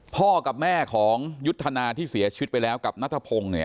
พ่อกับแม่ของยุทธนาที่เสียชีวิตไปแล้วกับนัทพงศ์เนี่ย